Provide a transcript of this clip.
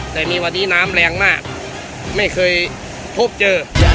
แต่มีวันนี้น้ำแรงมากไม่เคยพบเจอ